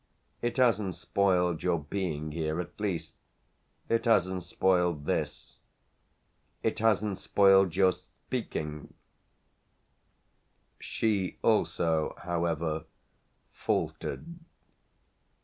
It hasn't spoiled your being here at last. It hasn't spoiled this. It hasn't spoiled your speaking " She also however faltered.